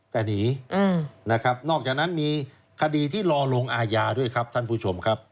แต่หนีนะครับนอกจากนั้นมีคดีที่รอลงอาญาด้วยครับท่านผู้ชมครับ